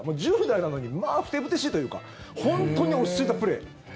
１０代なのにまあふてぶてしいというか本当に落ち着いたプレー。